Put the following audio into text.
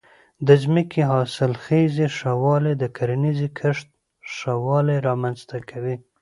د ځمکې د حاصلخېزۍ ښه والی د کرنیزې کښت ښه والی رامنځته کوي.